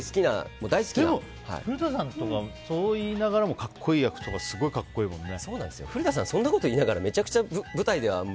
古田さんとかってそう言いながらも格好いい役とかすごい格好いいもんね。